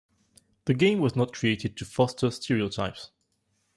The game was not created to foster stereotypes.